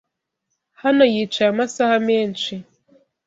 Hano yicaye amasaha menshi;